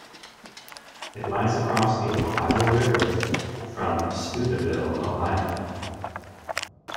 It lies across the Ohio River from Steubenville, Ohio.